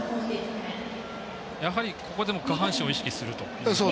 やはり、ここでも下半身を意識すると。